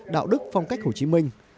đạo đức phong cách hồ chí minh